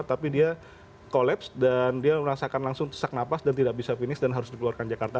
tapi dia collapse dan dia merasakan langsung sesak nafas dan tidak bisa finish dan harus dikeluarkan jakarta